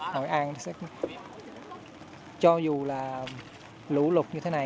hội an sẽ cho dù là lũ lụt như thế này